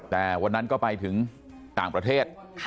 แต่วันนั้นก็ไปถึงต่างประเทศ